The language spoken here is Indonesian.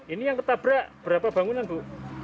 ini yang ketabrak berapa bangunan bu